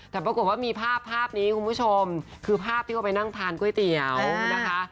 แต่ปรากฏว่ามีภาพภาพนี้คุณผู้ชมคือภาพที่เขาไปนั่งทานก๋วยเตี๋ยวนะคะ